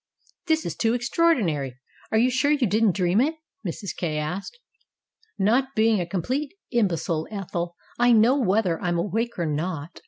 "This is too extraordinary. Are you sure you didn't dream it?" Mrs. Kay asked. "Not being a complete imbecile, Ethel, I know whether I am awake or not.